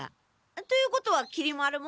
ということはきり丸も？